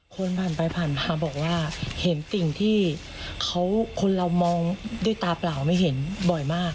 คนผ่านไปผ่านมาบอกว่าเห็นสิ่งที่คนเรามองด้วยตาเปล่าไม่เห็นบ่อยมาก